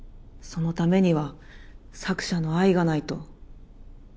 そのためには作者の愛がないと。